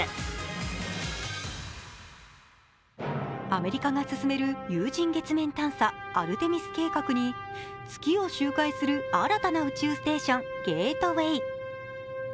アメリカが進める有人月面探査、アルテミス計画に月を周回する新たな宇宙ステーション、ゲートウェイ。